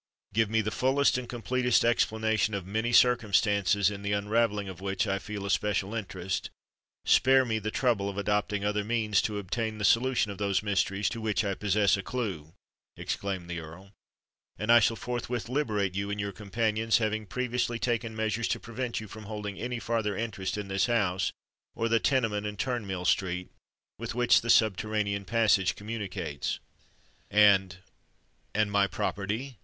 "Give me the fullest and completest explanation of many circumstances in the unravelling of which I feel a special interest—spare me the trouble of adopting other means to obtain the solution of those mysteries to which I possess a clue," exclaimed the Earl; "and I shall forthwith liberate you and your companions, having previously taken measures to prevent you from holding any farther interest in this house or the tenement in Turnmill Street, with which the subterranean passage communicates." "And—and my property?"